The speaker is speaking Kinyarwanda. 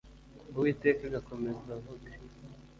uwiteka agakomeza avuga